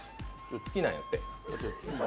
好きなんやって。